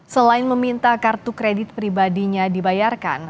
selain meminta kartu kredit pribadinya dibayarkan